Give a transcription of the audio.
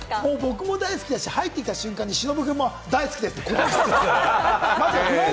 僕も大好きですし、入ってきた瞬間に忍君も大好きです！って。